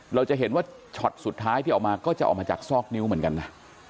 เราจะเห็นว่าช็อตสุดท้ายที่ออกมาก็จะออกมาจากซอกนิ้วเหมือนกันนะ